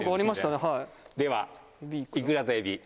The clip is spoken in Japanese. では「いくら」と「えび」。